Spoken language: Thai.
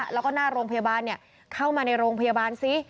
แล้วก็หน้าโรงพยาบาลเข้ามาในโรงพยาบาลซิ